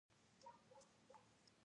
خپله کیسه لنډه کړم.